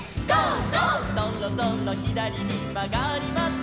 「そろそろひだりにまがります」